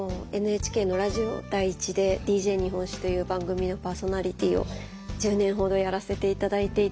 ＮＨＫのラジオ第１で「ＤＪ日本史」という番組のパーソナリティーを１０年ほどやらせて頂いていて。